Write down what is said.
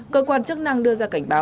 cơ quan chức năng đưa ra cảnh báo